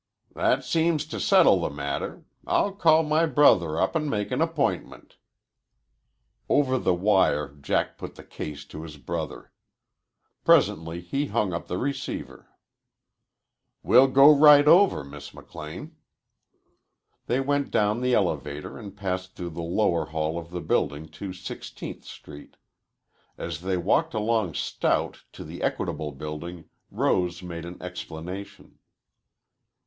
"That seems to settle the matter. I'll call my brother up and make an appointment." Over the wire Jack put the case to his brother. Presently he hung up the receiver. "We'll go right over, Miss McLean." They went down the elevator and passed through the lower hall of the building to Sixteenth Street. As they walked along Stout to the Equitable Building, Rose made an explanation.